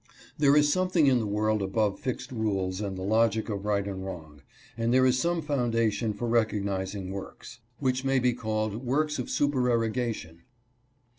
There is something in the world above fixed rules and the logic of right and wrong, and there is some founda tion for recognizing works, which may be called works of supererogation.